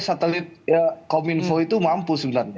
satelit kominfo itu mampu sebenarnya